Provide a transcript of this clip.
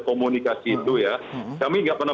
komunikasi itu ya kami nggak pernah